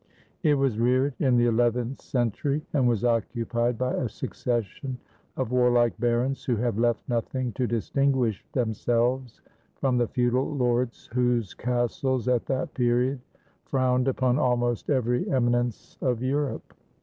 It was reared in the eleventh century, and was occupied by a succession of warlike barons, who have left nothing to distinguish themselves from the feudal lords whose castles, at that period, frowned upon almost every emi nence of Europe.